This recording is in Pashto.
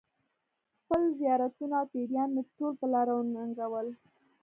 خپل زیارتونه او پیران مې ټول په لاره وننګول.